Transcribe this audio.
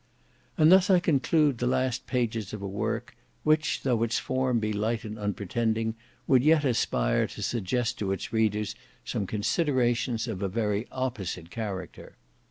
And thus I conclude the last page of a work, which though its form be light and unpretending, would yet aspire to suggest to its readers some considerations of a very opposite character.